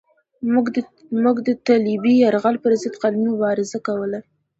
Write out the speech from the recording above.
موږ د صلیبي یرغل پرضد قلمي مبارزه کوله.